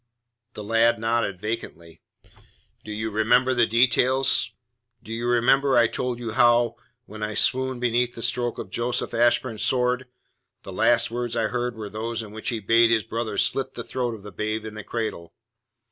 The lad nodded vacantly. "Do you remember the details? Do you remember I told you how, when I swooned beneath the stroke of Joseph Ashburn's sword, the last words I heard were those in which he bade his brother slit the throat of the babe in the cradle?